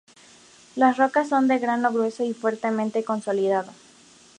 Las rocas son de grano grueso y fuertemente consolidado.